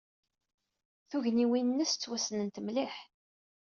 Tugniwin-nnes ttwassnent mliḥ.